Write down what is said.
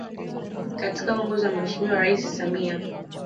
Katika uongozi wa Mheshimiwa Rais Samia